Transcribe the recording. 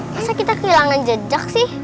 masa kita kehilangan jejak sih